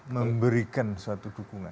memberikan suatu dukungan